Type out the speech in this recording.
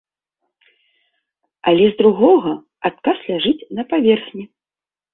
Але з другога, адказ ляжыць на паверхні.